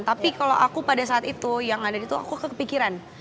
tapi kalau aku pada saat itu yang ada di itu aku kepikiran